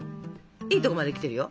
いいとこまで来てるよ。